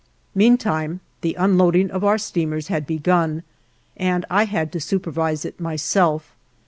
Meantime the unloading of our steamers had begun and I had to supervise it myself.